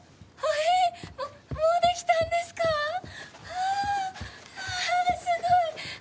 ああすごい！